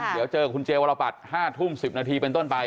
เดี๋ยวเจอคุณเจวรบัตร๕ทุ่ม๑๐นาทีเป็นต้นไป